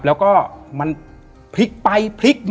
และยินดีต้อนรับทุกท่านเข้าสู่เดือนพฤษภาคมครับ